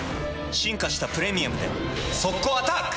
進化した「プレミアム」で速攻アタック！